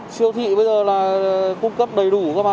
siêu thị bây giờ là cung cấp đầy đủ ra mà